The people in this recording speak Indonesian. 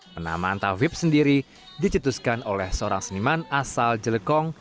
penamaan tawib sendiri dicetuskan oleh seorang seniman asal jelekong